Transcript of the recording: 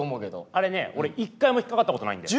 あれね俺１回も引っ掛かったことないんだよ。